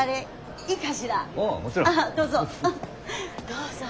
どうぞ。